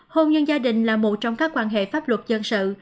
hôn nhân gia đình là một trong các quan hệ pháp luật dân sự